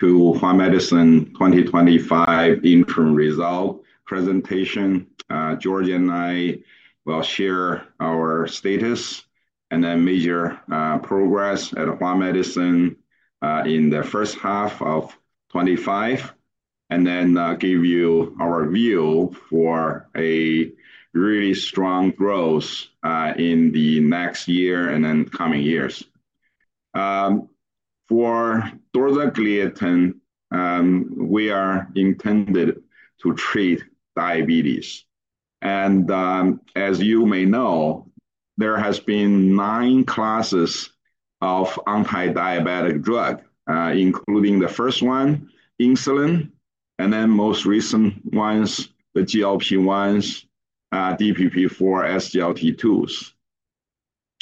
To Hua Medicine 2025 Interim Result Presentation. George and I will share our status and then measure progress at Hua Medicine in the first half of 2025 and then give you our view for a really strong growth in the next year and then coming years. For Dr. Li Chen, we are intended to treat diabetes. As you may know, there have been nine classes of anti-diabetic drugs, including the first one, insulin, and then most recent ones, the GLP-1s, DPP-4s, SGLT2s.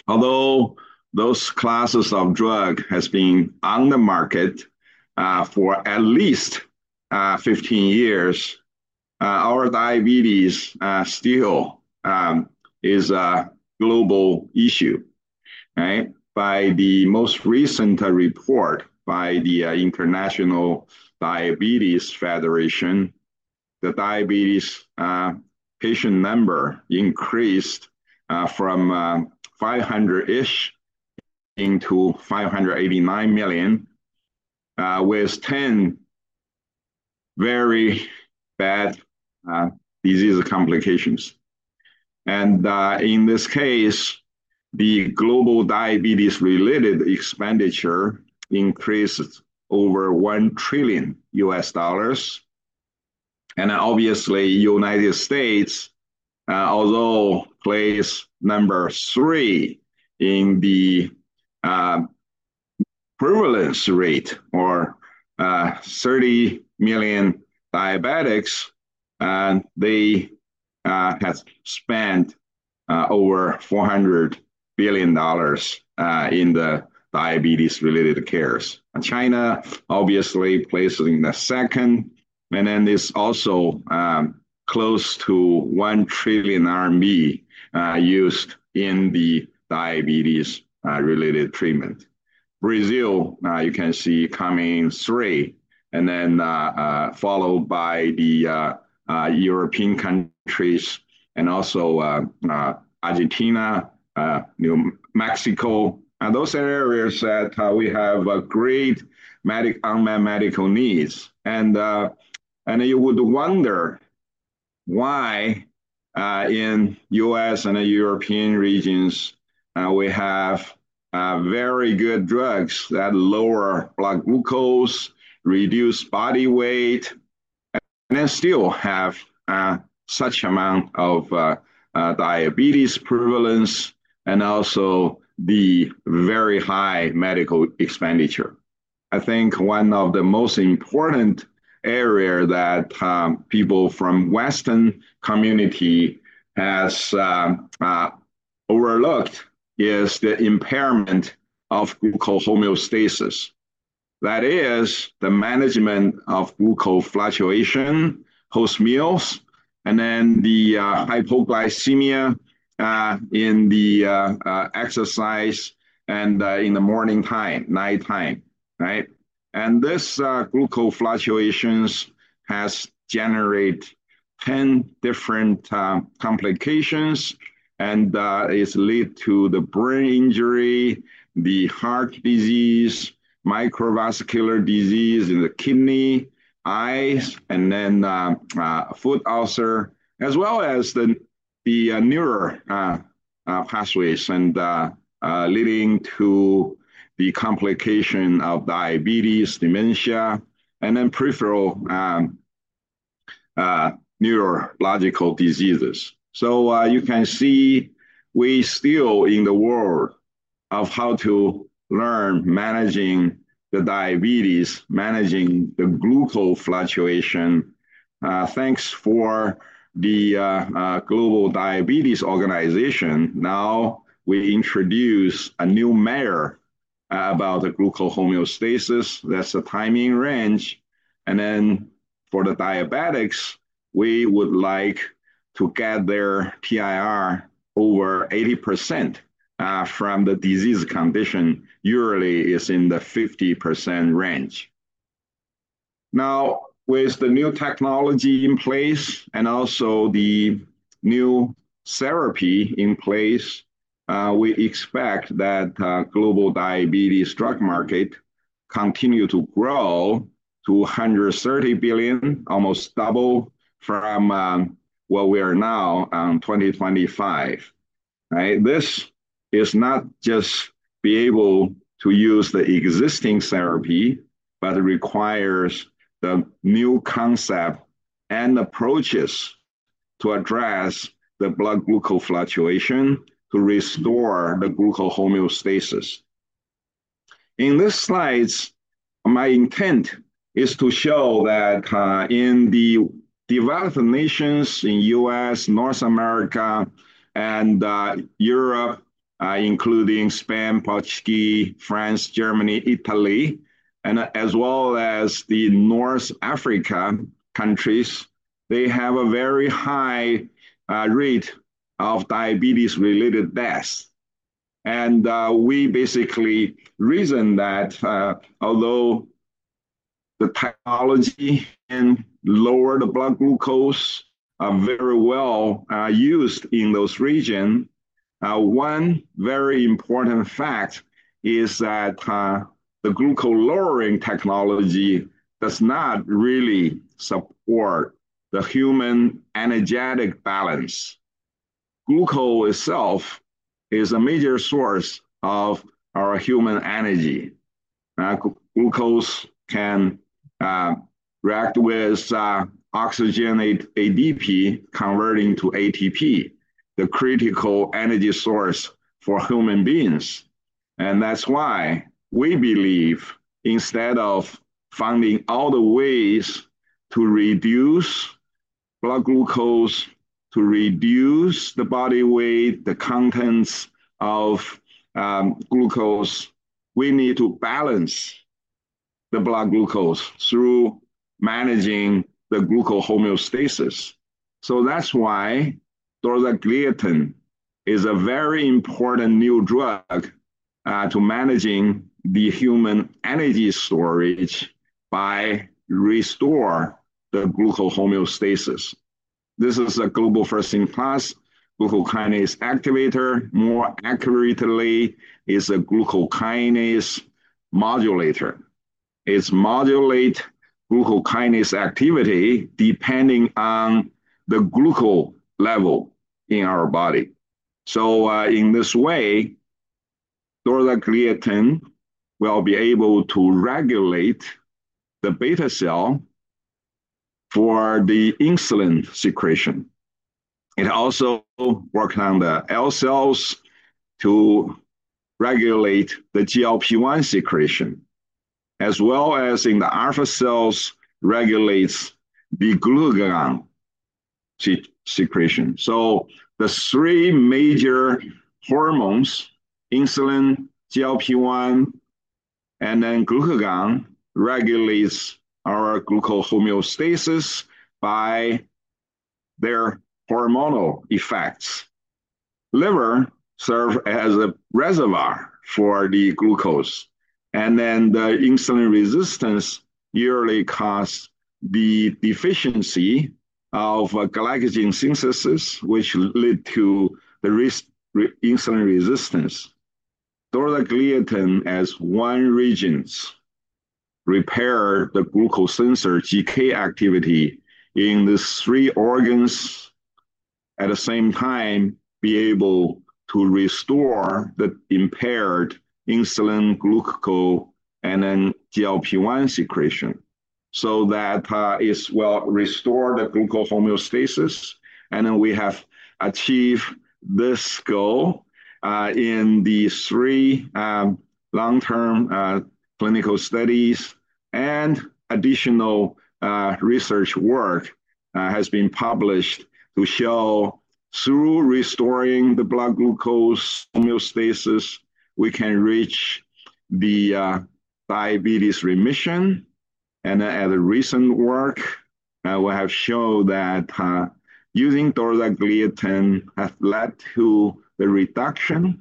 Although those classes of drugs have been on the market for at least 15 years, our diabetes still is a global issue. Right? By the most recent report by the International Diabetes Federation, the diabetes patient number increased from 500-ish into 589 million, with 10 very bad disease complications. In this case, the global diabetes-related expenditure increased over $1 trillion. Obviously, the United States, although place number three in the prevalence rate or 30 million diabetics, have spent over $400 billion in the diabetes-related cares. China, obviously, placing the second. This also close to 1 trillion RMB used in the diabetes related treatment. Brazil, you can see coming in three, followed by the European countries and also Argentina, New Mexico. Those are areas that we have a great medical needs. You would wonder why, in the U.S. and the European regions, we have very good drugs that lower blood glucose, reduce body weight, and still have such amount of diabetes prevalence and also the very high medical expenditure. I think one of the most important areas that people from the Western community have overlooked is the impairment of glucose homeostasis. That is the management of glucose fluctuation post meals and the hypoglycemia in the exercise and in the morning time, nighttime. Right? These glucose fluctuations have generated 10 different complications, and it's lead to the brain injury, the heart disease, microvascular disease in the kidney, eyes, and foot ulcer, as well as the neuro pathways and leading to the complication of diabetes dementia and then peripheral neurological diseases. You can see we still in the world of how to learn managing the diabetes, managing the glucose fluctuation. Thanks for the Global Diabetes Organization. Now we introduce a new measure about the glucose homeostasis. That's the timing range. For the diabetics, we would like to get their TIR over 80% from the disease condition. Usually, it's in the 50% range. Now, with the new technology in place and also the new therapy in place, we expect that the global diabetes drug market continues to grow to 130 billion, almost double from what we are now in 2025. This is not just being able to use the existing therapy, but it requires the new concept and approaches to address the blood glucose fluctuation to restore the glucose homeostasis. In this slide, my intent is to show that in the developed nations in the U.S., North America, and Europe, including Spain, Portugal, France, Germany, Italy, as well as the North Africa countries, they have a very high rate of diabetes-related deaths. We basically reason that although the technology can lower the blood glucose very well, used in those regions, one very important fact is that the glucose lowering technology does not really support the human energetic balance. Glucose itself is a major source of our human energy. Glucose can react with oxygenate ADP, converting to ATP, the critical energy source for human beings. That's why we believe instead of finding all the ways to reduce blood glucose, to reduce the body weight, the contents of glucose, we need to balance the blood glucose through managing the glucose homeostasis. That's why the glucose is a very important new drug to managing the human energy storage by restoring the glucose homeostasis. This is a global first-in-class glucokinase activator. More accurately, it's a glucokinase modulator. It modulates glucokinase activity depending on the glucose level in our body. In this way, the glucose will be able to regulate the beta cell for the insulin secretion. It also works on the L cells to regulate the GLP-1 secretion, as well as in the alpha cells regulates the glucagon secretion. The three major hormones, insulin, GLP-1, and glucagon, regulate our glucose homeostasis by their hormonal effects. Liver serves as a reservoir for the glucose. The insulin resistance usually causes the deficiency of glycogen synthesis, which leads to the risk of insulin resistance. The glucose as one region repairs the glucose sensor GK activity in the three organs at the same time, being able to restore the impaired insulin, glucose, and GLP-1 secretion so that it will restore the glucose homeostasis. We have achieved this goal in the three long-term clinical studies, and additional research work has been published to show through restoring the blood glucose homeostasis, we can reach the diabetes remission. At the recent work, we have shown that using the glucose has led to the reduction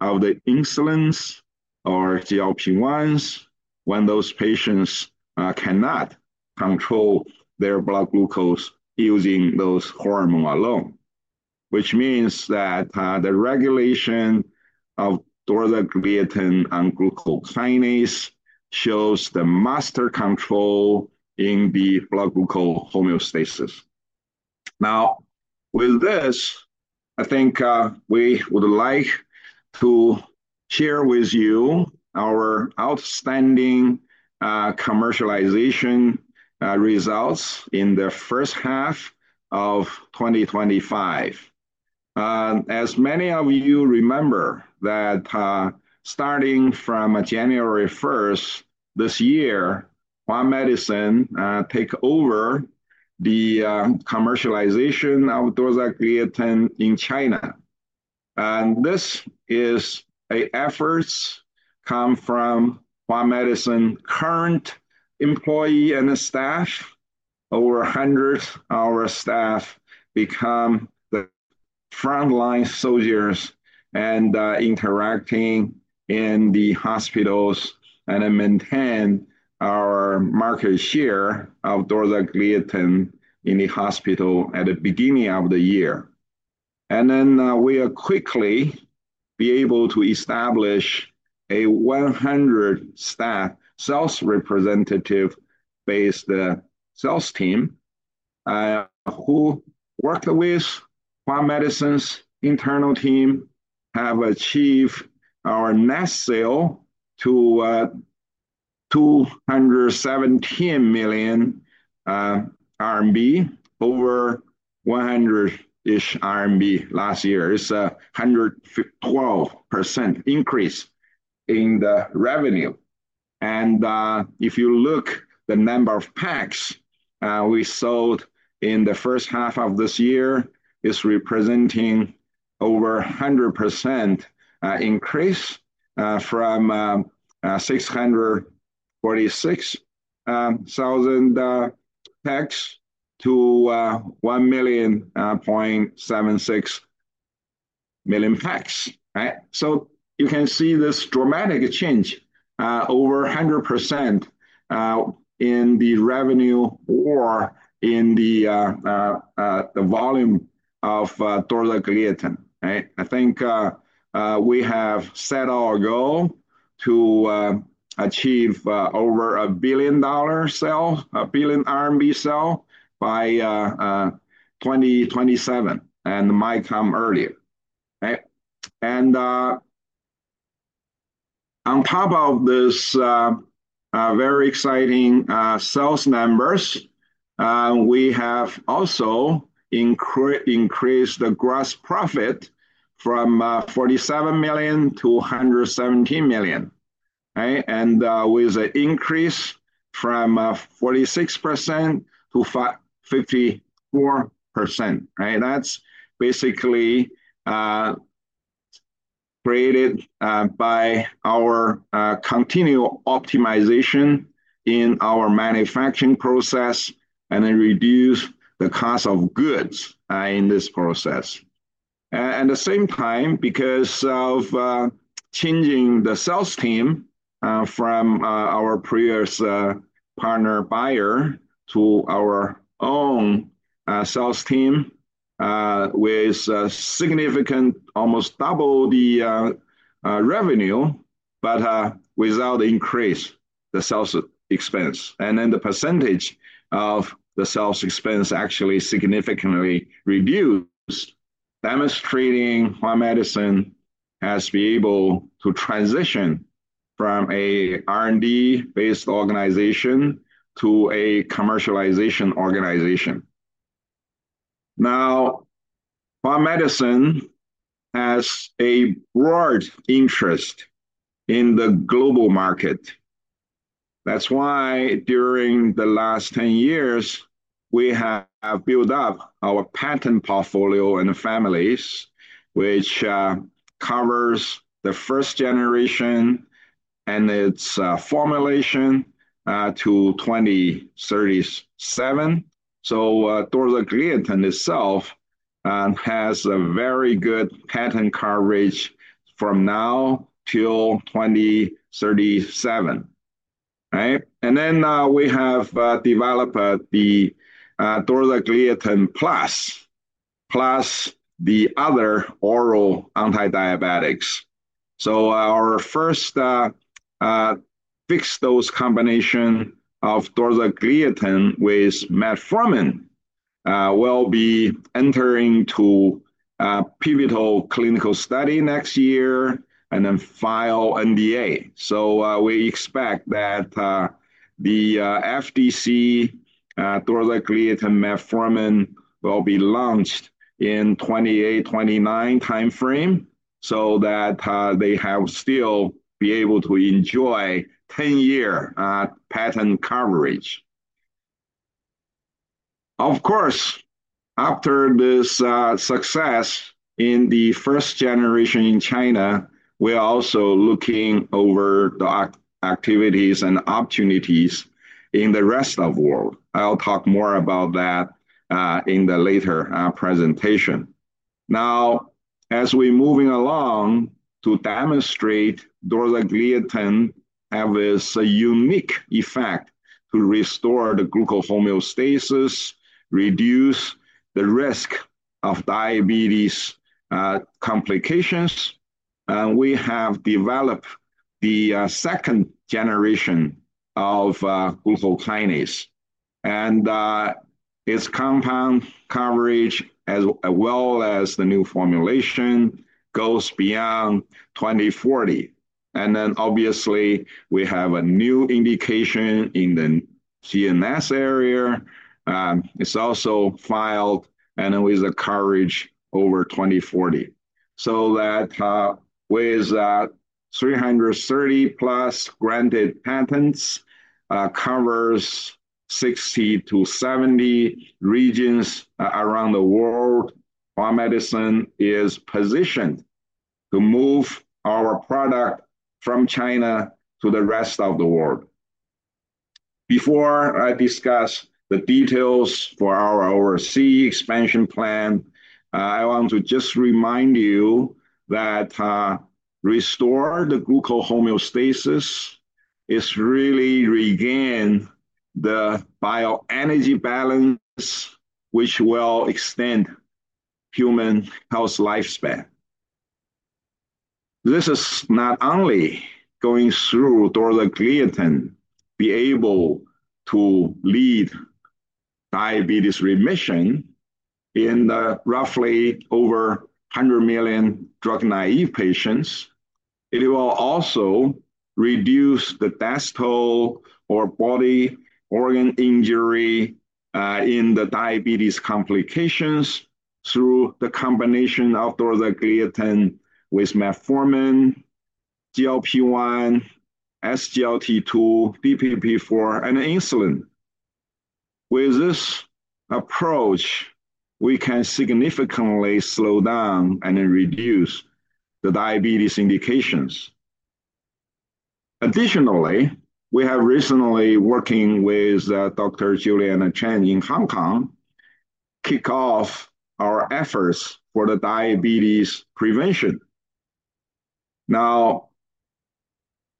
of the insulins or GLP-1s when those patients cannot control their blood glucose using those hormones alone, which means that the regulation of the glucokinase shows the master control in the blood glucose homeostasis. With this, I think we would like to share with you our outstanding commercialization results in the first half of 2025. As many of you remember, starting from January 1st this year, Hua Medicine took over the commercialization of Dorzagliatin in China. This is an effort that comes from Hua Medicine's current employees and staff. Over hundreds of our staff became the frontline soldiers, interacting in the hospitals and maintaining our market share of Dorzagliatin in the hospital at the beginning of the year. We are quickly able to establish a 100-staff sales representative-based sales team, who work with Hua Medicine's internal team, and have achieved our net sale to 217 million RMB over 100-ish million RMB last year. It's a 112% increase in the revenue. If you look at the number of packs we sold in the first half of this year, it's representing over 100% increase, from 646,000 packs-1,076,000 packs. You can see this dramatic change, over 100%, in the revenue or in the volume of Dorzagliatin. I think we have set our goal to achieve over a RMB 1 billion sale, a 1 billion RMB sale by 2027 and it might come earlier. On top of this very exciting sales numbers, we have also increased the gross profit from 47 million-117 million, with an increase from 46%-54%. That's basically created by our continual optimization in our manufacturing process and then reducing the cost of goods in this process. At the same time, because of changing the sales team from our previous partner, Bayer, to our own sales team, with significant, almost double the revenue, but without increasing the sales expense. The percentage of the sales expense actually significantly reduced, demonstrating Hua Medicine has been able to transition from an R&D-based organization to a commercialization organization. Now, Hua Medicine has a broad interest in the global market. That's why during the last 10 years, we have built up our patent portfolio and families, which covers the first generation and its formulation, to 2037. The glucokinase modulator itself has a very good patent coverage from now till 2037, right? We have developed the glucokinase modulator plus the other oral anti-diabetics. Our first fixed-dose combination of the glucokinase modulator with metformin will be entering pivotal clinical study next year and then file NDA. We expect that the FDC, the glucokinase modulator and metformin, will be launched in the 2028-2029 timeframe so that they will still be able to enjoy 10-year patent coverage. Of course, after this success in the first generation in China, we are also looking over the activities and opportunities in the rest of the world. I'll talk more about that in the later presentation. As we're moving along to demonstrate the glucokinase modulator has this unique effect to restore the glucose homeostasis, reduce the risk of diabetes complications. We have developed the second generation of glucokinase activator, and its compound coverage, as well as the new formulation, goes beyond 2040. We have a new indication in the GNS area. It's also filed and then with the coverage over 2040. With 330+ granted patents, covering 60-70 regions around the world, Hua Medicine is positioned to move our product from China to the rest of the world. Before I discuss the details for our overseas expansion plan, I want to just remind you that restoring the glucose homeostasis is really regaining the bioenergy balance, which will extend human health lifespan. This is not only going through the glucokinase modulator to be able to lead diabetes remission in the roughly over 100 million drug-naive patients. It will also reduce the death toll or body organ injury in the diabetes complications through the combination of the glucokinase modulator with metformin, GLP-1, SGLT2, DPP-4, and insulin. With this approach, we can significantly slow down and reduce the diabetes indications. Additionally, we have recently been working with Dr. Juliana Chen in Hong Kong to kick off our efforts for the diabetes prevention.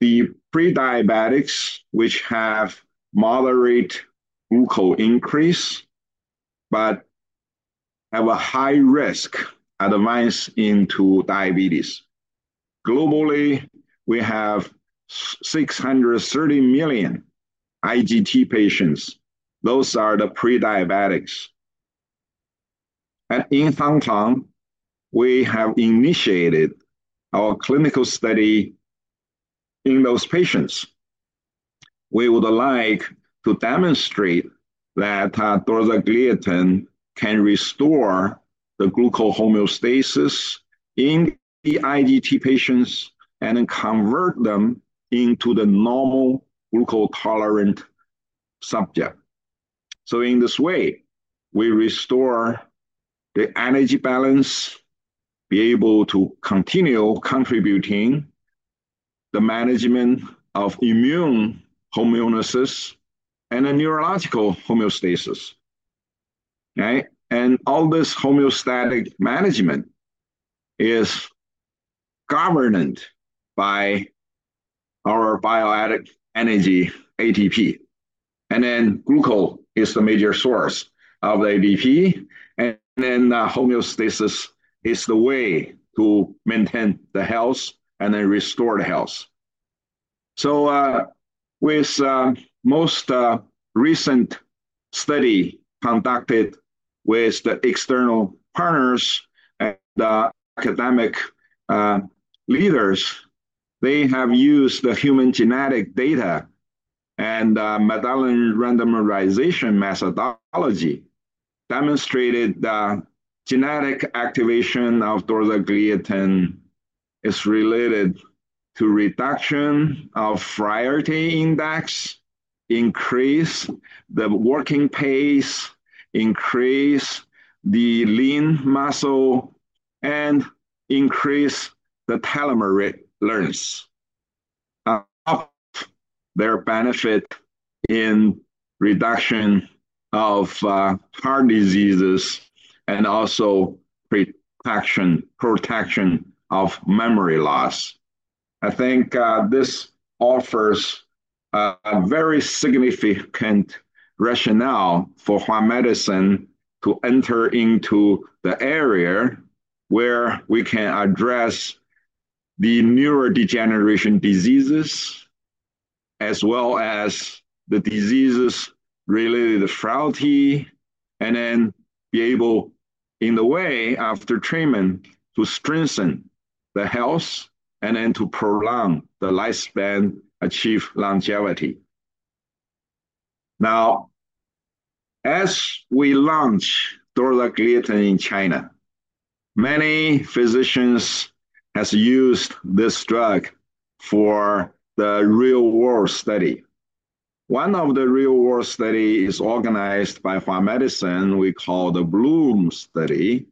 The pre-diabetics, which have moderate glucose increase but have a high risk, advance into diabetes. Globally, we have 630 million IGT patients. Those are the pre-diabetics. In Hong Kong, we have initiated our clinical study in those patients. We would like to demonstrate that the glucose can restore the glucose homeostasis in the IGT patients and then convert them into the normal glucose tolerant subject. In this way, we restore the energy balance, be able to continue contributing to the management of immune homeostasis and the neurological homeostasis. Right? All this homeostatic management is governed by our bioenergy ATP. Glucose is the major source of the ADP. The homeostasis is the way to maintain the health and then restore the health. With most recent study conducted with the external partners and the academic leaders, they have used the human genetic data and medallion randomization methodology, demonstrated the genetic activation of the glucose is related to reduction of free energy index, increase the working pace, increase the lean muscle, and increase the telomerase of their benefit in reduction of heart diseases and also protection of memory loss. I think this offers a very significant rationale for Hua Medicine to enter into the area where we can address the neurodegeneration diseases as well as the diseases related to frailty and then be able, in the way of the treatment, to strengthen the health and then to prolong the lifespan, achieve longevity. Now, as we launch the glucose in China, many physicians have used this drug for the real-world study. One of the real-world studies is organized by Hua Medicine, we call the Bloom study,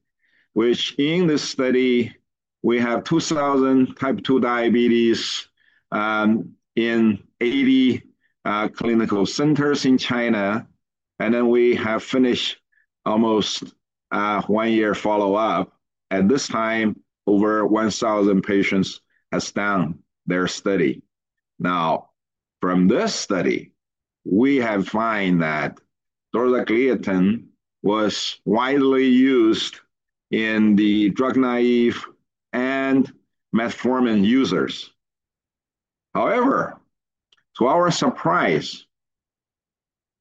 which in this study, we have 2,000 type 2 diabetes in 80 clinical centers in China. We have finished almost one year follow-up. At this time, over 1,000 patients have done their study. From this study, we have found that the glucose was widely used in the drug naive and metformin users. However, to our surprise,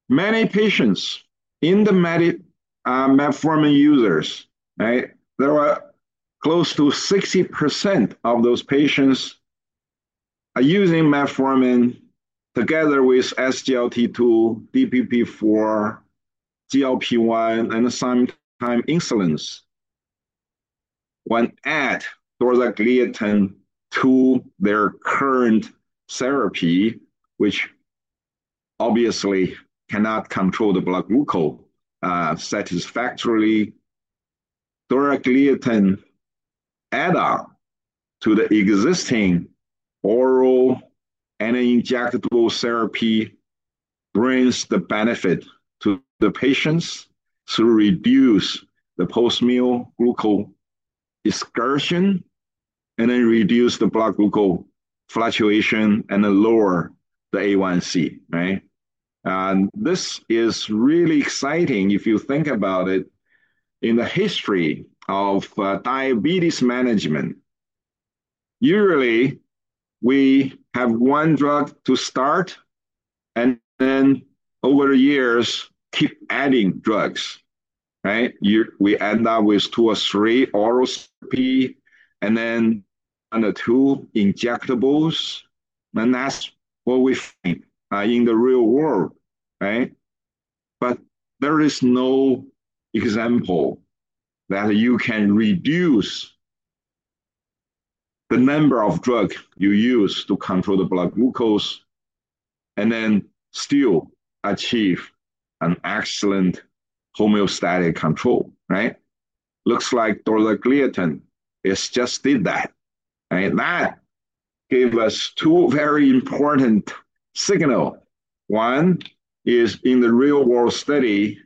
many patients in the metformin users, right, there were close to 60% of those patients using metformin together with SGLT2, DPP-4, GLP-1, and sometimes insulins. When adding the glucose to their current therapy, which obviously cannot control the blood glucose satisfactorily, the glucose added to the existing oral and injectable therapy brings the benefit to the patients to reduce the post-meal glucose excretion and then reduce the blood glucose fluctuation and then lower the A1C. Right? This is really exciting if you think about it. In the history of diabetes management, usually we have one drug to start and then over the years keep adding drugs. Right? We end up with 2-3 orals and then another two injectables. That's what we find in the real world, right? There is no example that you can reduce the number of drugs you use to control the blood glucose and then still achieve an excellent homeostatic control, right? Looks like the glucose just did that, right? That gave us two very important signals. One is in the real-world study,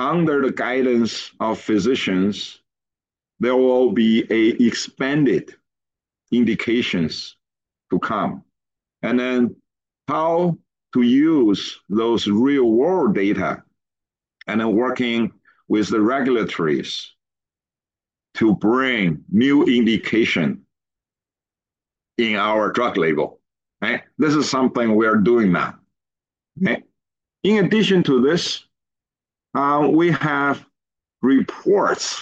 under the guidance of physicians, there will be expanded indications to come. Then how to use those real-world data and then working with the regulatories to bring new indications in our drug label, right? This is something we are doing now, right? In addition to this, we have reports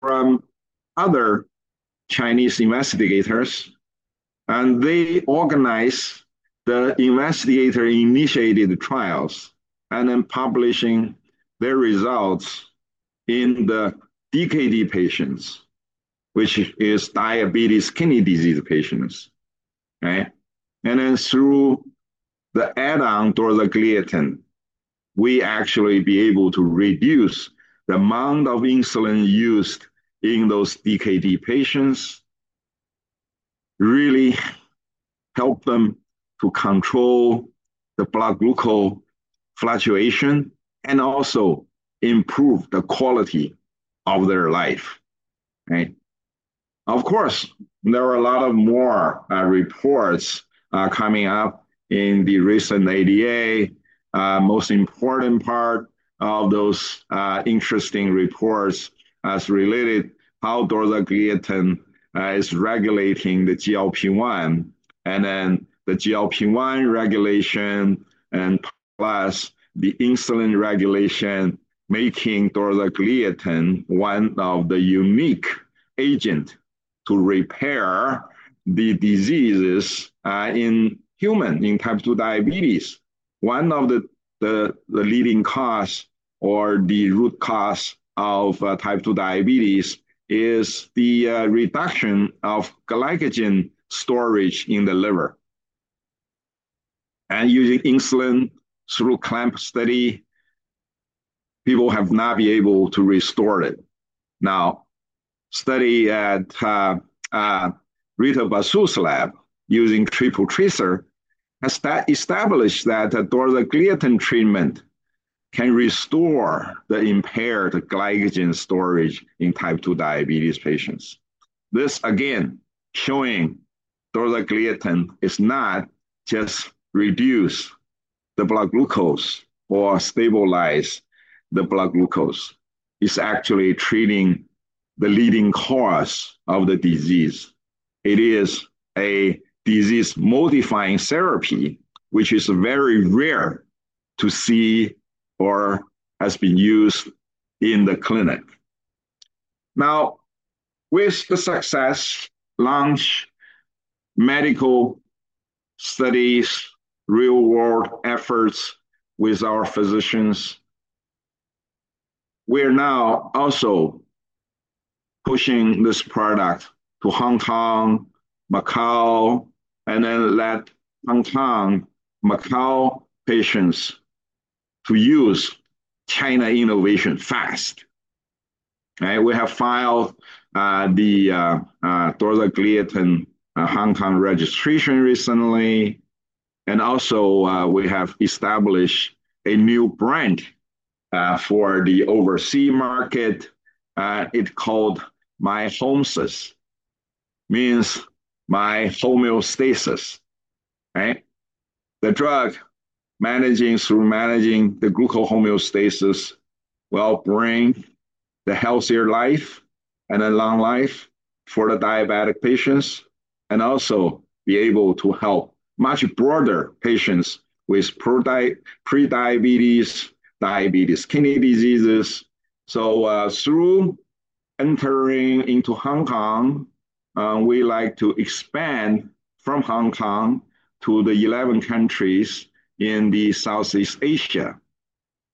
from other Chinese investigators, and they organize the investigator-initiated trials and then publishing their results in the DKD patients, which is diabetes kidney disease patients, right? Through the add-on to the glucose, we actually be able to reduce the amount of insulin used in those DKD patients, really help them to control the blood glucose fluctuation and also improve the quality of their life, right? Of course, there are a lot more reports coming up in the recent ADA. The most important part of those interesting reports is related to how the glucose is regulating the GLP-1 and then the GLP-1 regulation and plus the insulin regulation, making the glucose one of the unique agents to repair the diseases in humans in type 2 diabetes. One of the leading causes or the root causes of type 2 diabetes is the reduction of glycogen storage in the liver. Using insulin through clamp study, people have not been able to restore it. Now, a study at Rita Basu's lab using triple tracer has established that the glucose treatment can restore the impaired glycogen storage in type 2 diabetes patients. This, again, showing the glucose is not just reducing the blood glucose or stabilizing the blood glucose. It's actually treating the leading cause of the disease. It is a disease-modifying therapy, which is very rare to see or has been used in the clinic. Now, with the success of launching medical studies, real-world efforts with our physicians, we are now also pushing this product to Hong Kong, Macau, and then let Hong Kong, Macau patients use China innovation fast, right? We have filed the glucose Hong Kong registration recently. Also, we have established a new brand for the overseas market. It's called MYHOMSIS, means My Homeostasis, right? The drug managing through managing the glucose homeostasis will bring the healthier life and then long life for the diabetic patients and also be able to help much broader patients with pre-diabetes, diabetes kidney diseases. Through entering into Hong Kong, we like to expand from Hong Kong to the 11 countries in Southeast Asia,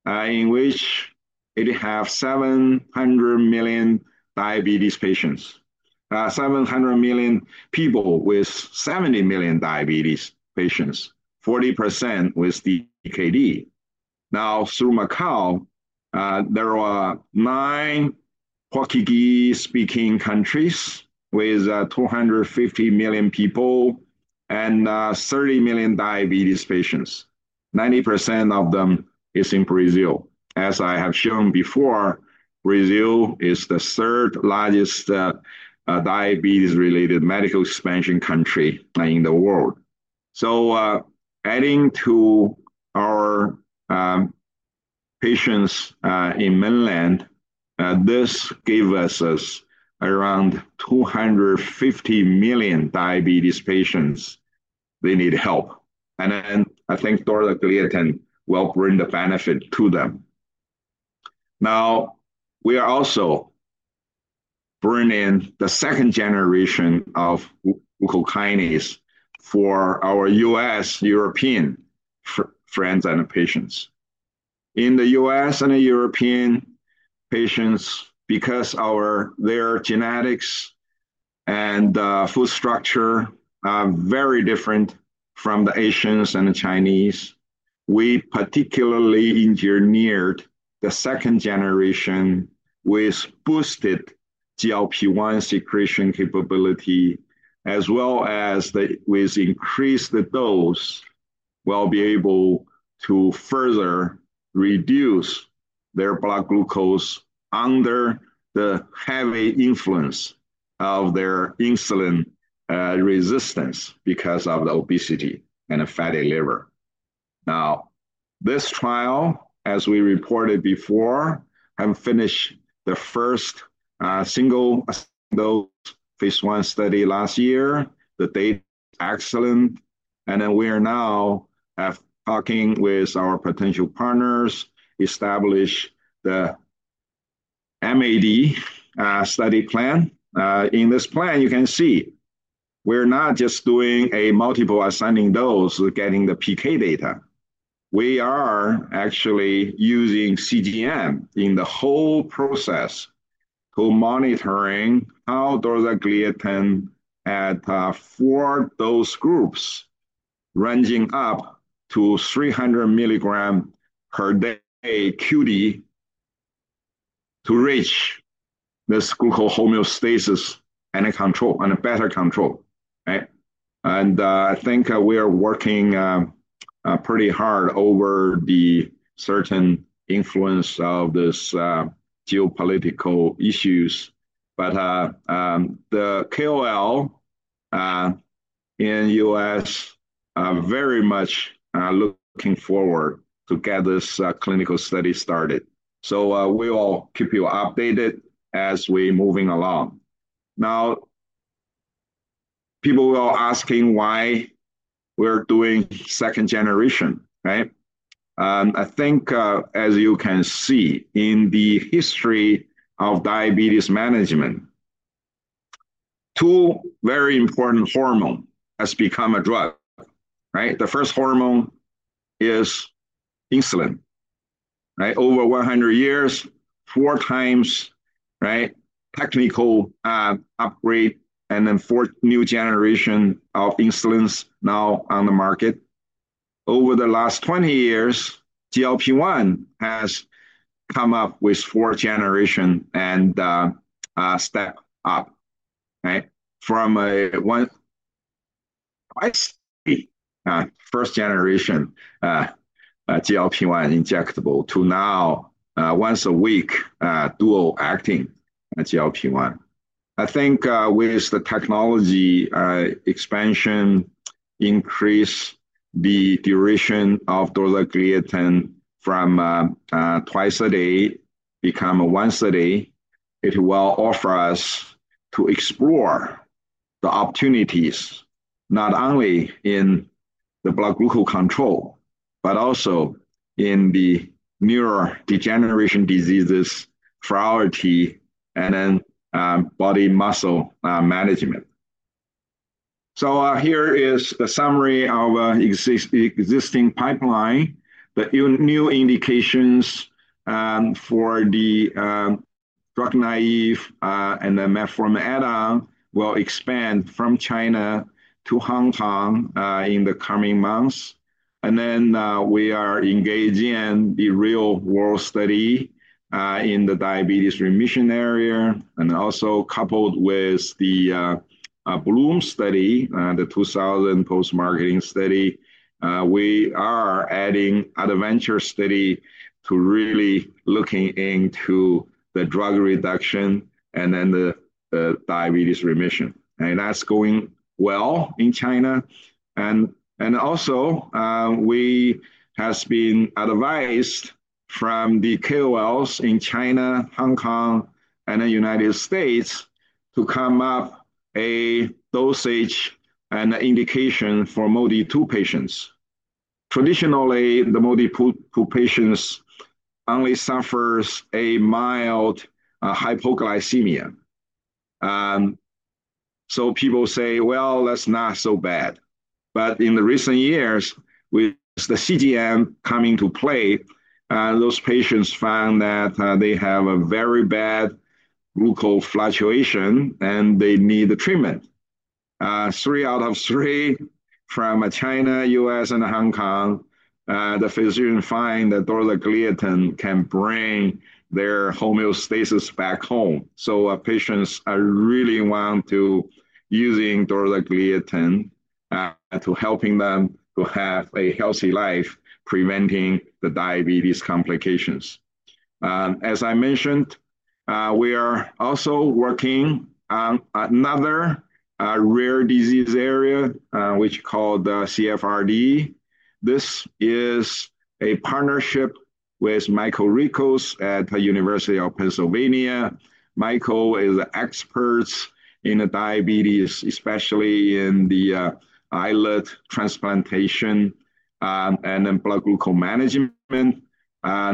in which it has 700 million people with 70 million diabetes patients, 40% with DKD. Through Macau, there are nine Portuguese-speaking countries with 250 million people and 30 million diabetes patients. 90% of them are in Brazil. As I have shown before, Brazil is the third largest diabetes-related medical expansion country in the world. Adding to our patients in mainland, this gives us around 250 million diabetes patients that need help. I think the glucose will bring the benefit to them. We are also bringing the second generation of glucokinase for our U.S., European friends and patients. In the U.S. and the European patients, because their genetics and food structure are very different from the Asians and the Chinese, we particularly engineered the second generation with boosted GLP-1 secretion capability, as well as with increased dose, we'll be able to further reduce their blood glucose under the heavy influence of their insulin resistance because of the obesity and the fatty liver. This trial, as we reported before, finished the first single dose phase one study last year. The data is excellent. We are now talking with our potential partners to establish the MAD study plan. In this plan, you can see we're not just doing a multiple assigning dose or getting the PK data. We are actually using CGM in the whole process to monitor how the glucose at four dose groups ranging up to 300 mg per day QD to reach this glucose homeostasis and a control and a better control. I think we are working pretty hard over the certain influence of these geopolitical issues. The KOL in the U.S. are very much looking forward to get this clinical study started. We will keep you updated as we're moving along. People are asking why we're doing second generation. I think, as you can see in the history of diabetes management, two very important hormones have become a drug. The first hormone is insulin. Over 100 years, four times, right, technical upgrade and then four new generations of insulins now on the market. Over the last 20 years, GLP-1 has come up with four generations and stepped up, right? From a first generation GLP-1 injectable to now once a week dual-acting GLP-1. I think with the technology expansion increasing the duration of the glucose from twice a day becoming once a day, it will offer us to explore the opportunities not only in the blood glucose control but also in the neurodegeneration diseases priority and then body muscle management. Here is the summary of an existing pipeline. The new indications for the drug naive and the metformin add-on will expand from China to Hong Kong in the coming months. We are engaging in the real-world study in the diabetes remission area and also coupled with the Bloom study, the 2,000 post-marketing study. We are adding an adventure study to really look into the drug reduction and the diabetes remission. That's going well in China. We have been advised from the KOLs in China, Hong Kong, and the United States to come up with a dosage and an indication for MODY-2 patients. Traditionally, the MODY-2 patients only suffer a mild hypoglycemia. People say, well, that's not so bad. In the recent years, with the CGM coming into play, those patients found that they have a very bad glucose fluctuation and they need treatment. Three out of three from China, US, and Hong Kong, the physicians find that the glucose can bring their homeostasis back home. Patients really want to use the glucose to help them to have a healthy life, preventing the diabetes complications. As I mentioned, we are also working on another rare disease area, which is called CFRD. This is a partnership with Dr. Michael Rickels at the University of Pennsylvania. Michael is an expert in diabetes, especially in the islet transplantation and blood glucose management.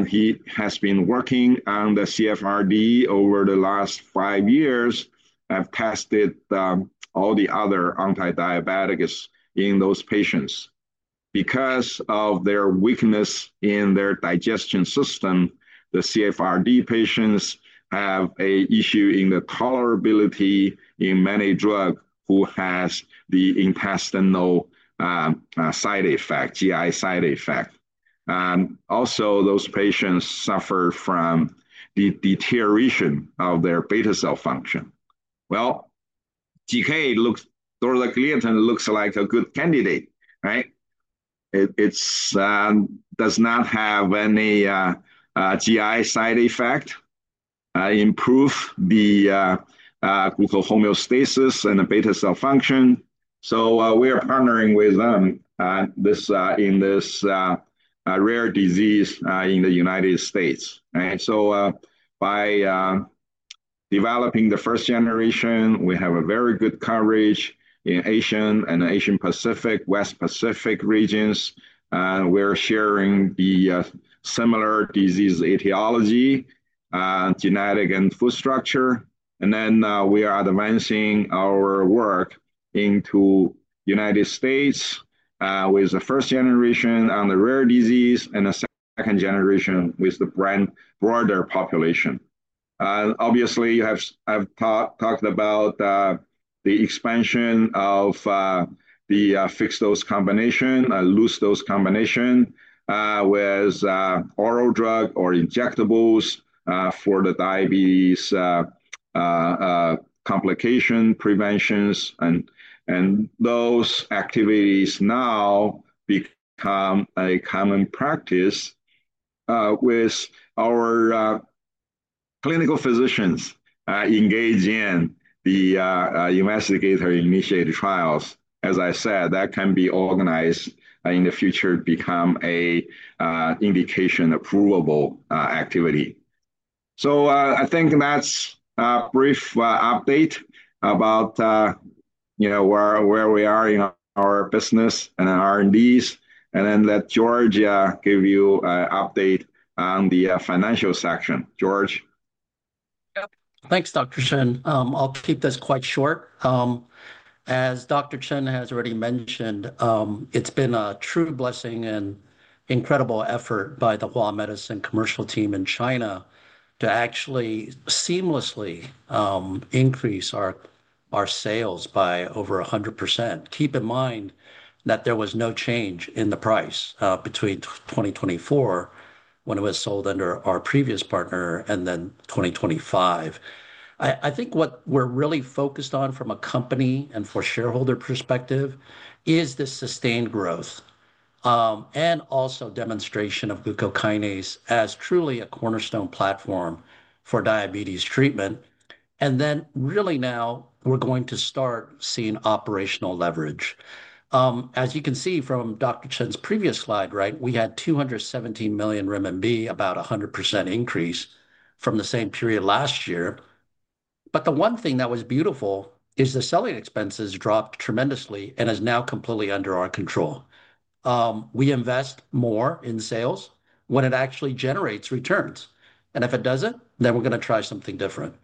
He has been working on the CFRD over the last five years and tested all the other anti-diabetics in those patients. Because of their weakness in their digestion system, the CFRD patients have an issue in the tolerability in many drugs who have the intestinal side effect, GI side effect. Those patients suffer from the deterioration of their beta cell function. GK looks like a good candidate, right? It does not have any GI side effect, improves the glucose homeostasis and the beta cell function. We are partnering with them in this rare disease in the United States. By developing the first generation, we have very good coverage in Asian and Asia Pacific, West Pacific regions. We're sharing the similar disease etiology, genetic, and food structure. We are advancing our work into the United States with the first generation on the rare disease and the second generation with the broader population. Obviously, I've talked about the expansion of the fixed-dose combination, loose-dose combination with oral drug or injectables for the diabetes complication preventions. Those activities now become a common practice with our clinical physicians engaging in the investigator-initiated trials. As I said, that can be organized in the future to become an indication-approval activity. I think that's a brief update about where we are in our business and R&Ds. Let George give you an update on the financial section. George. Yep. Thanks, Dr. Chen. I'll keep this quite short. As Dr. Chen has already mentioned, it's been a true blessing and incredible effort by the Hua Medicine commercial team in China to actually seamlessly increase our sales by over 100%. Keep in mind that there was no change in the price between 2024 when it was sold under our previous partner and then 2025. I think what we're really focused on from a company and for a shareholder perspective is the sustained growth and also demonstration of glucokinase as truly a cornerstone platform for diabetes treatment. Really now we're going to start seeing operational leverage. As you can see from Dr. Chen's previous slide, right, we had 217 million RMB, about a 100% increase from the same period last year. The one thing that was beautiful is the selling expenses dropped tremendously and is now completely under our control. We invest more in sales when it actually generates returns. If it doesn't, then we're going to try something different.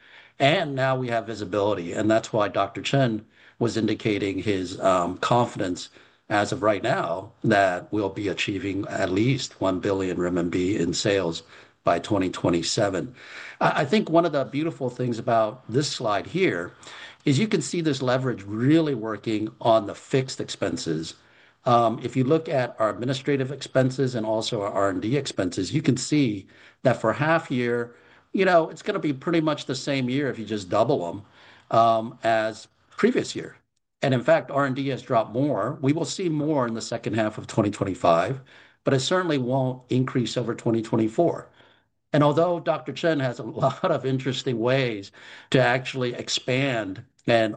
Now we have visibility. That's why Dr. Chen was indicating his confidence as of right now that we'll be achieving at least 1 billion RMB in sales by 2027. I think one of the beautiful things about this slide here is you can see this leverage really working on the fixed expenses. If you look at our administrative expenses and also our R&D expenses, you can see that for half a year, you know, it's going to be pretty much the same year if you just double them as the previous year. In fact, R&D has dropped more. We will see more in the second half of 2025, but it certainly won't increase over 2024. Although Dr. Chen has a lot of interesting ways to actually expand and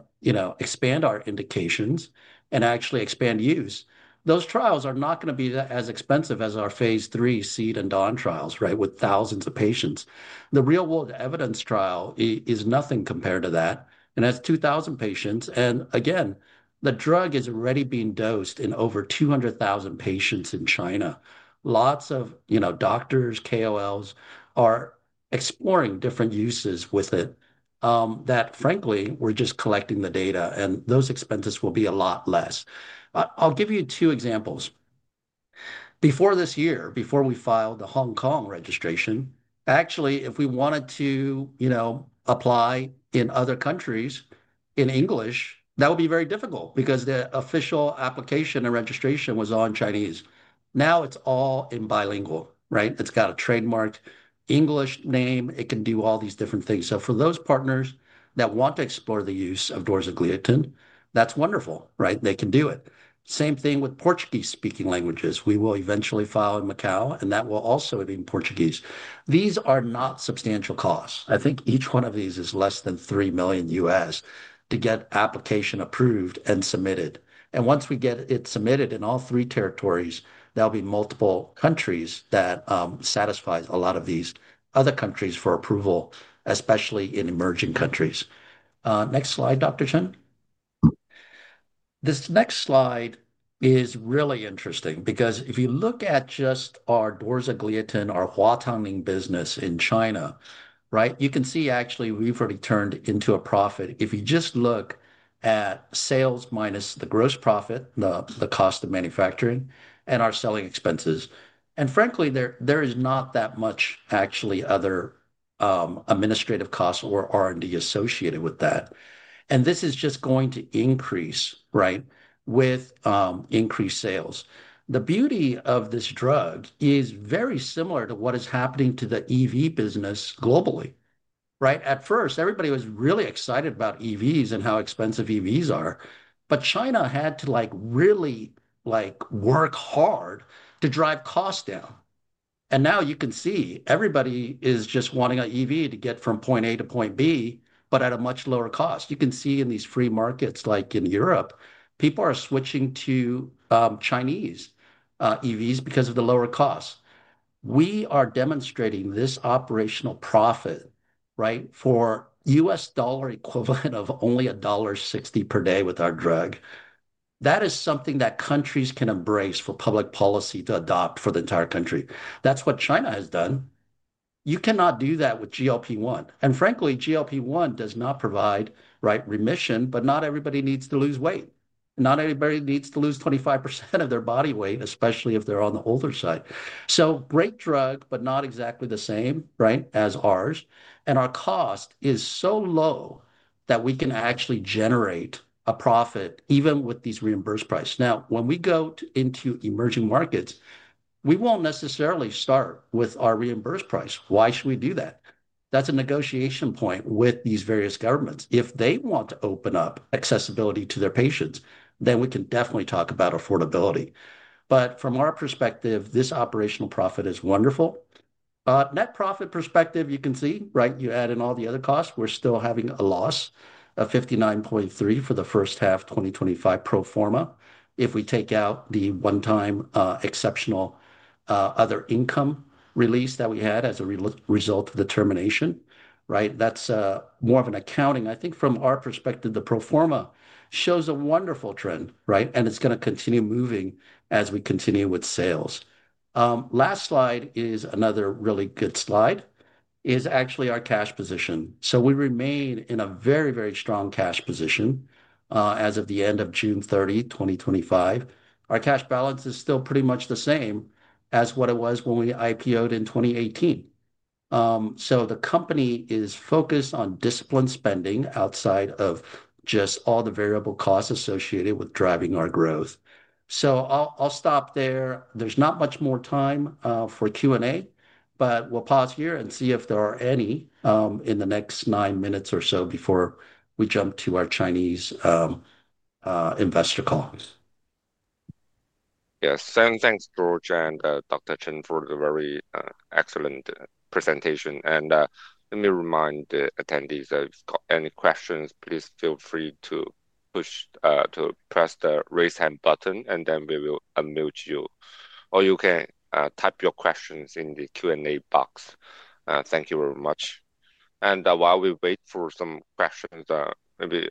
expand our indications and actually expand use, those trials are not going to be as expensive as our phase 3 seed and dawn trials, right, with thousands of patients. The real-world evidence trial is nothing compared to that. That's 2,000 patients. Again, the drug is already being dosed in over 200,000 patients in China. Lots of doctors, KOLs are exploring different uses with it that, frankly, we're just collecting the data. Those expenses will be a lot less. I'll give you two examples. Before this year, before we filed the Hong Kong registration, actually, if we wanted to, you know, apply in other countries in English, that would be very difficult because the official application and registration was on Chinese. Now it's all in bilingual, right? It's got a trademarked English name. It can do all these different things. For those partners that want to explore the use of the glucose, that's wonderful, right? They can do it. Same thing with Portuguese-speaking languages. We will eventually file in Macau, and that will also be in Portuguese. These are not substantial costs. I think each one of these is less than $3 million to get application approved and submitted. Once we get it submitted in all three territories, there will be multiple countries that satisfy a lot of these other countries for approval, especially in emerging countries. Next slide, Dr. Chen. This next slide is really interesting because if you look at just our glucose, our HuaTangNing business in China, right, you can see actually we've already turned into a profit. If you just look at sales minus the gross profit, the cost of manufacturing and our selling expenses, and frankly, there is not that much actually other administrative costs or R&D associated with that. This is just going to increase, right, with increased sales. The beauty of this drug is very similar to what is happening to the EV business globally. At first, everybody was really excited about EVs and how expensive EVs are. China had to really work hard to drive costs down. Now you can see everybody is just wanting an EV to get from point A to point B, but at a much lower cost. You can see in these free markets, like in Europe, people are switching to Chinese EVs because of the lower cost. We are demonstrating this operational profit, right, for U.S. dollar equivalent of only $1.60 per day with our drug. That is something that countries can embrace for public policy to adopt for the entire country. That's what China has done. You cannot do that with GLP-1. Frankly, GLP-1 does not provide, right, remission, but not everybody needs to lose weight. Not everybody needs to lose 25% of their body weight, especially if they're on the older side. Great drug, but not exactly the same, right, as ours. Our cost is so low that we can actually generate a profit even with these reimbursed prices. When we go into emerging markets, we won't necessarily start with our reimbursed price. Why should we do that? That's a negotiation point with these various governments. If they want to open up accessibility to their patients, then we can definitely talk about affordability. From our perspective, this operational profit is wonderful. Net profit perspective, you can see, right, you add in all the other costs. We're still having a loss of 59.3 million for the first half 2025 pro forma. If we take out the one-time exceptional other income release that we had as a result of the termination, right, that's more of an accounting. I think from our perspective, the pro forma shows a wonderful trend, right, and it's going to continue moving as we continue with sales. The last slide is another really good slide. It's actually our cash position. We remain in a very, very strong cash position as of the end of June 30, 2025. Our cash balance is still pretty much the same as what it was when we IPOed in 2018. The company is focused on disciplined spending outside of just all the variable costs associated with driving our growth. I'll stop there. There's not much more time for Q&A, but we'll pause here and see if there are any in the next nine minutes or so before we jump to our Chinese investor call. Yes. Thank you, George, and Dr. Chen, for the very excellent presentation. Let me remind the attendees that if you've got any questions, please feel free to press the raise hand button, and then we will unmute you. You can also type your questions in the Q&A box. Thank you very much. While we wait for some questions, maybe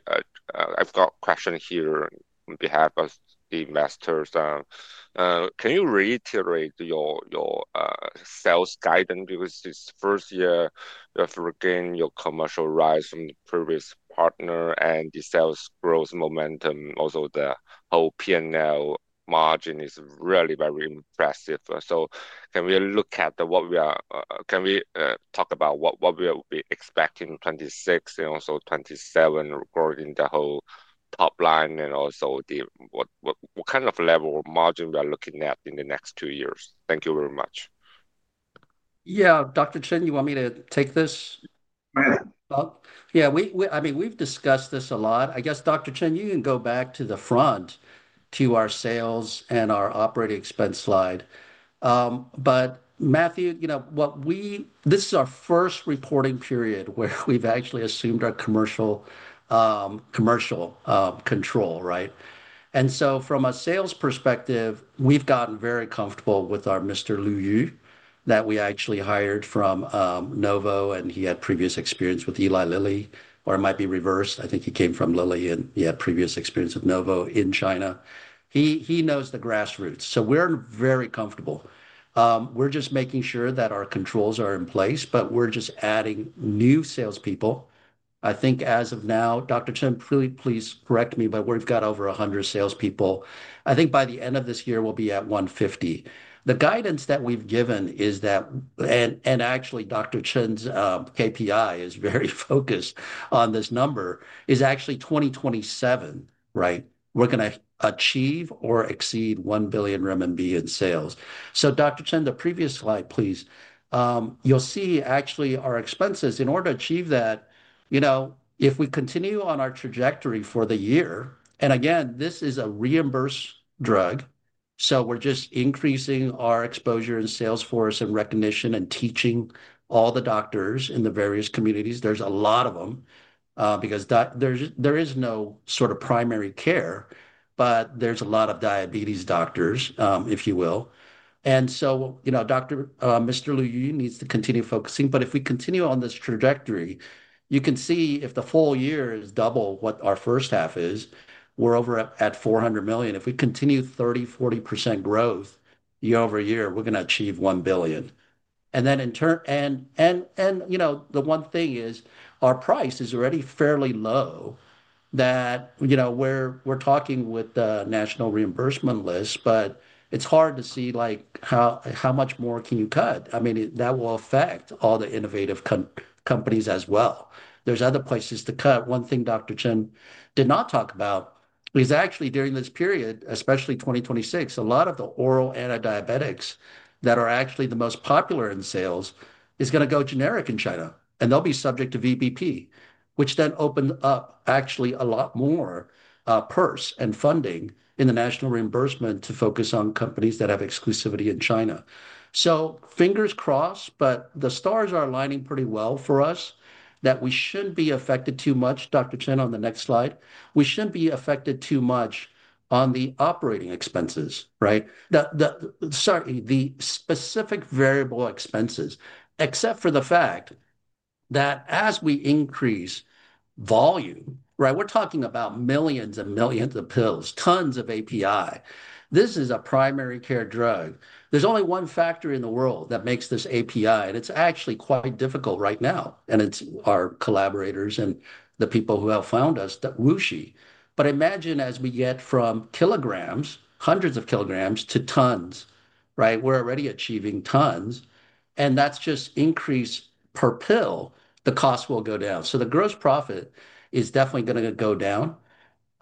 I've got a question here on behalf of the investors. Can you reiterate your sales guidance? This is the first year you've regained your commercial rights from the previous partner and the sales growth momentum. Also, the whole P&L margin is really very impressive. Can we look at what we are expecting in 2026 and also 2027 regarding the whole top line and what kind of level of margin we are looking at in the next two years? Thank you very much. Yeah. Dr. Chen, you want me to take this? Yeah. I mean, we've discussed this a lot. I guess, Dr. Chen, you can go back to the front to our sales and our operating expense slide. Matthew, you know what, this is our first reporting period where we've actually assumed our commercial control, right? From a sales perspective, we've gotten very comfortable with our Mr. Liu Yu that we actually hired from Eli Lilly, and he had previous experience with Novo Nordisk in China. He knows the grassroots. We're very comfortable. We're just making sure that our controls are in place, but we're just adding new salespeople. I think as of now, Dr. Chen, please correct me, but we've got over 100 salespeople. I think by the end of this year, we'll be at 150. The guidance that we've given is that, and actually, Dr. Chen's KPI is very focused on this number, is actually 2027, right? We're going to achieve or exceed 1 billion renminbi in sales. Dr. Chen, the previous slide, please, you'll see actually our expenses. In order to achieve that, if we continue on our trajectory for the year, and again, this is a reimbursed drug, so we're just increasing our exposure and sales force and recognition and teaching all the doctors in the various communities. There's a lot of them because there is no sort of primary care, but there's a lot of diabetes doctors, if you will. Mr. Liu Yu needs to continue focusing. If we continue on this trajectory, you can see if the full year is double what our first half is, we're over at 400 million. If we continue 30-40% growth year-over-year, we're going to achieve 1 billion. The one thing is our price is already fairly low that we're talking with the national reimbursement list, but it's hard to see how much more can you cut. That will affect all the innovative companies as well. There are other places to cut. One thing Dr. Chen did not talk about is actually during this period, especially 2026, a lot of the oral antidiabetics that are actually the most popular in sales are going to go generic in China, and they'll be subject to VBP, which then opens up a lot more purse and funding in the national reimbursement to focus on companies that have exclusivity in China. Fingers crossed, but the stars are aligning pretty well for us that we shouldn't be affected too much, Dr. Chen, on the next slide. We shouldn't be affected too much on the operating expenses, right? Sorry, the specific variable expenses, except for the fact that as we increase volume, we're talking about millions and millions of pills, tons of API. This is a primary care drug. There's only one factor in the world that makes this API, and it's actually quite difficult right now. It's our collaborators and the people who have found us, that Wuxi. Imagine as we get from kilograms, hundreds of kilograms to tons, we're already achieving tons, and that's just increase per pill. The cost will go down. The gross profit is definitely going to go down.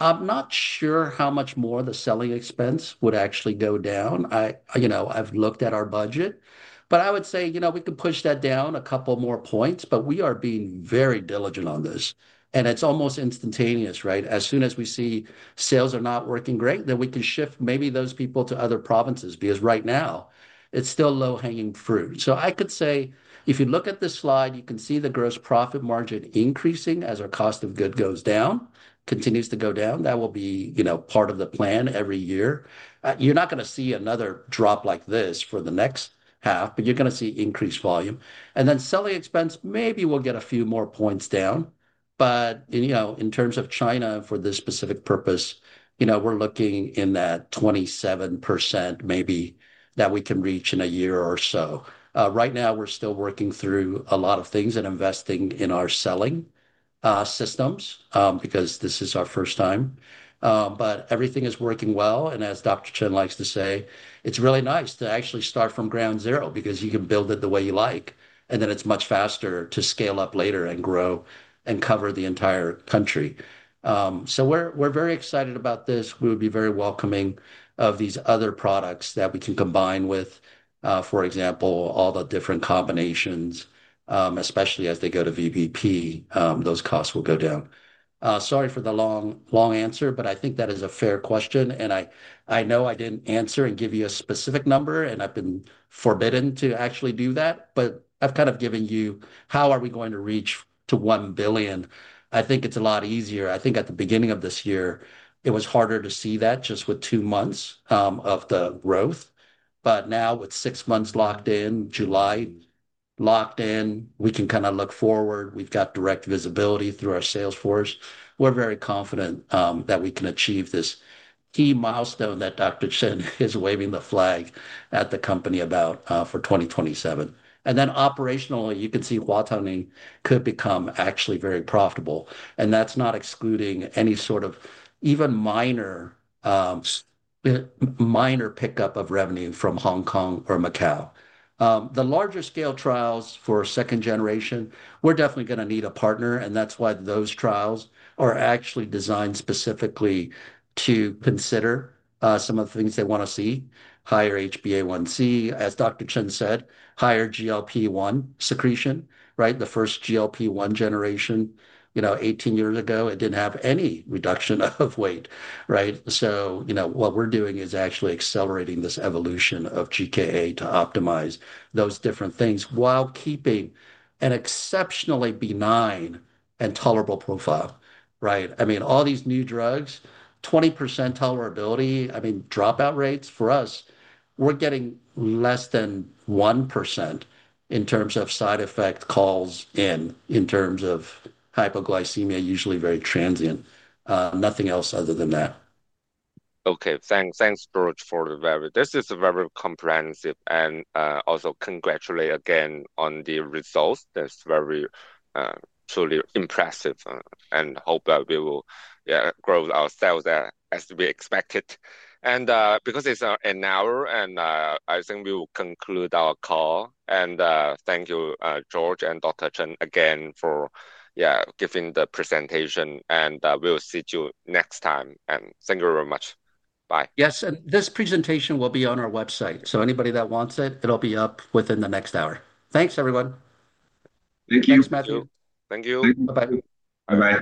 I'm not sure how much more the selling expense would actually go down. You know I've looked at our budget, but I would say we could push that down a couple more points, but we are being very diligent on this. It's almost instantaneous, right? As soon as we see sales are not working great, then we can shift maybe those people to other provinces because right now it's still low-hanging fruit. I could say if you look at this slide, you can see the gross profit margin increasing as our cost of goods goes down, continues to go down. That will be part of the plan every year. You're not going to see another drop like this for the next half, but you're going to see increased volume. Selling expense maybe we'll get a few more points down. You know in terms of China for this specific purpose, we're looking in that 27% maybe that we can reach in a year or so. Right now, we're still working through a lot of things and investing in our selling systems because this is our first time. Everything is working well. As Dr. Chen likes to say, it's really nice to actually start from ground zero because you can build it the way you like. It's much faster to scale up later and grow and cover the entire country. We're very excited about this. We would be very welcoming of these other products that we can combine with, for example, all the different combinations, especially as they go to VBP, those costs will go down. Sorry for the long answer, but I think that is a fair question. I know I didn't answer and give you a specific number, and I've been forbidden to actually do that. I've kind of given you how are we going to reach to 1 billion. I think it's a lot easier. I think at the beginning of this year, it was harder to see that just with two months of the growth. Now with six months locked in, July locked in, we can kind of look forward. We've got direct visibility through our sales force. We're very confident that we can achieve this key milestone that Dr. Li Chen is waving the flag at the company about for 2027. Operationally, you can see HuaTangNing could become actually very profitable. That's not excluding any sort of even minor pickup of revenue from Hong Kong or Macau. The larger scale trials for second generation, we're definitely going to need a partner. That's why those trials are actually designed specifically to consider some of the things they want to see. Higher HbA1c, as Dr. Li Chen said, higher GLP-1 secretion, right? The first GLP-1 generation, you know, 18 years ago, it didn't have any reduction of weight, right? What we're doing is actually accelerating this evolution of glucokinase activator to optimize those different things while keeping an exceptionally benign and tolerable profile, right? I mean, all these new drugs, 20% tolerability. Dropout rates for us, we're getting less than 1% in terms of side effect calls in, in terms of hypoglycemia, usually very transient. Nothing else other than that. Okay. Thanks, George, for the very, this is a very comprehensive and also congratulate again on the results. That's very truly impressive. Hope that we will grow ourselves as we expected. Because it's an hour, I think we will conclude our call. Thank you, George and Dr. Li Chen, again for giving the presentation. We'll see you next time. Thank you very much. Bye. Yes. This presentation will be on our website. Anybody that wants it, it'll be up within the next hour. Thanks, everyone. Thank you. Thanks, Matthew. Thank you. Bye-bye. Bye-bye.